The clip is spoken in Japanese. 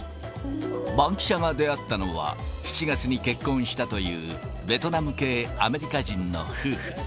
バンキシャが出会ったのは、７月に結婚したというベトナム系アメリカ人の夫婦。